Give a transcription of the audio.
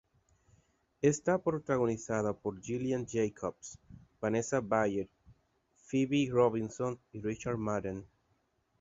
Está protagonizada por Gillian Jacobs, Vanessa Bayer, Phoebe Robinson y Richard Madden.